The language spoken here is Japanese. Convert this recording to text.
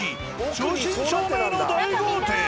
正真正銘の大豪邸。